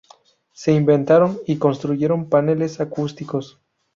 Se inventaron y construyeron paneles acústicos.